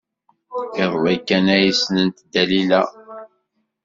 Iḍelli kan ay ssnent Dalila.